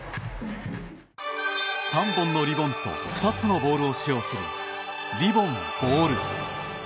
３本のリボンと２つのボールを使用するリボン・ボール。